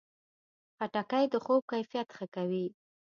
خټکی د خوب کیفیت ښه کوي.